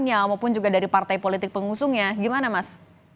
maupun juga dari partai politik pengusungnya gimana mas